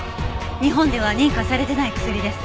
日本では認可されてない薬です。